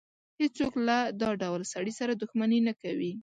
هېڅ څوک له دا ډول سړي سره دښمني نه کوي.